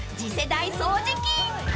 ［次世代掃除機］